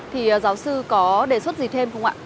thì giáo sư có đề xuất gì thêm không ạ